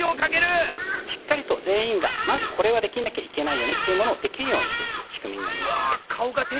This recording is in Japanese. しっかりと全員がまずこれはできなきゃいけないよねっていうものをできるようにしていく仕組みになりますので。